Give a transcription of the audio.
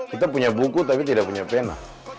kita punya buku tapi tidak punya pena